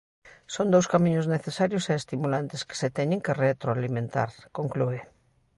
Son dous camiños necesarios e estimulantes "que se teñen que retroalimentar", conclúe.